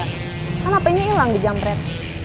kan hpnya ilang di jam red